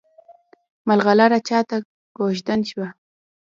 ملغلره چاته کوژدن شوه؟